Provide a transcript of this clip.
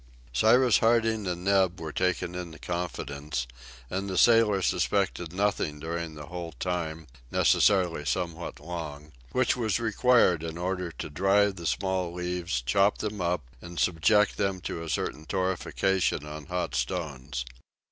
Cyrus Harding and Neb were taken into confidence, and the sailor suspected nothing during the whole time, necessarily somewhat long, which was required in order to dry the small leaves, chop them up, and subject them to a certain torrefaction on hot stones.